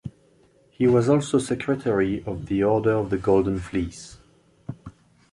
He was also secretary of the Order of the Golden Fleece.